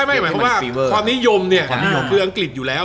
ไม่เพราะว่าความนิยมเนี่ยคืออังกฤษอยู่แล้ว